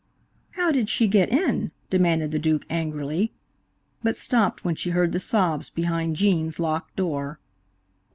"How did she get in?" demanded the Duke angrily, but stopped when she heard the sobs behind Gene's locked door.